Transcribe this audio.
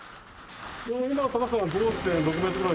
今の高さが５．６メートルぐらい。